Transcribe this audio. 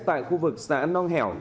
tại khu vực xã nong hẻo